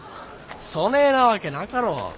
そねえなわけなかろう。